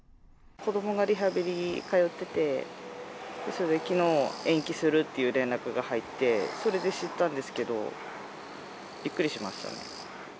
子どもがリハビリ通ってて、それできのう、延期するっていう連絡が入って、それで知ったんですけど、びっくりしました。